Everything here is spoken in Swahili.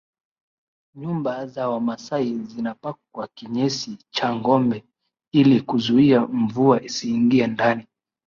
Nyumba za wamasai zinapakwa kinyesi cha ngombe ili kuzuia mvua isiingie ndani